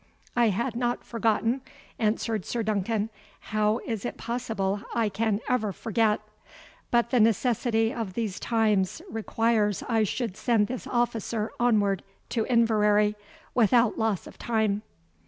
"I had not forgotten," answered Sir Duncan; "how is it possible I can ever forget? but the necessity of the times requires I should send this officer onward to Inverary, without loss of time."